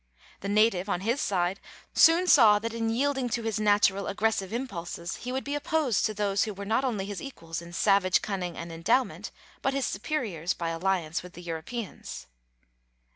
The native, on his side, soon saw that in yielding to his natural aggressive impulses he would be opposed to those who were not only his equals in savage cunning and endowment, but his superiors by alliance with the Europeans.